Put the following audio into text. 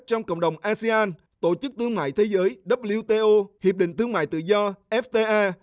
trong cộng đồng asean tổ chức tương mại thế giới wto hiệp định tương mại tự do fta